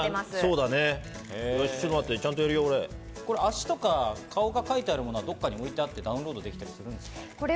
足や顔が描いてあるものはどこかでダウンロードできたりするんですか？